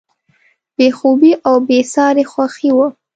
بې خوبي او بېساري خوښي وه.